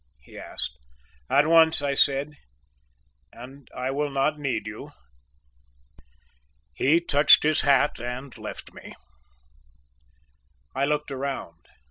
he asked. "At once," I said, "and I will not need you." He touched his hat and left me. I looked around.